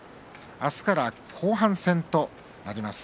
明日から後半戦となります。